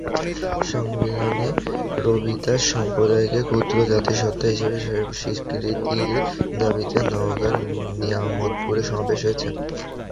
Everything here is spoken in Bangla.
সংবিধানে রবিদাস সম্প্রদায়কে ক্ষুদ্র জাতিসত্তা হিসেবে স্বীকৃতির দাবিতে নওগাঁর নিয়ামতপুরে সমাবেশ হয়েছে।